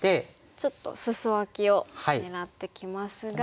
ちょっとスソアキを狙ってきますが。